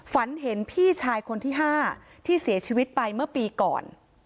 ฝันเห็นพี่ชายคนที่๕ที่เสียชีวิตไปเมื่อปีก่อน